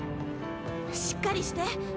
しっかりして！